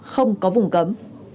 không có vùng cấm